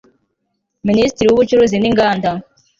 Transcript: Minisitiri w Ubucuruzi n Inganda